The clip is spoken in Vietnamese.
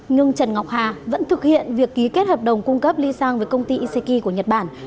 nhưng trần ngọc hà vẫn thực hiện việc ký kết hợp đồng cung cấp ly sang với công ty ici của nhật bản